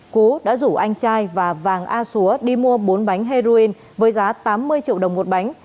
cú đã rủ anh trai và vàng a xúa đi mua bốn bánh heroin với giá tám mươi triệu đồng một bánh